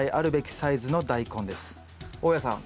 大家さん